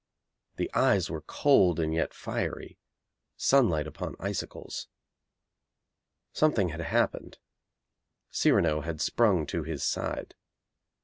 The eyes were cold and yet fiery, sunlight upon icicles. Something had happened. Cyrano had sprung to his side.